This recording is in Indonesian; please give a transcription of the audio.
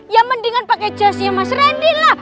ya mendingan pakai jasnya mas randy lah